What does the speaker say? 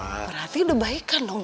berarti udah baik kan dong